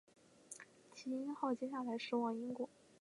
耆英号接下来驶往英国。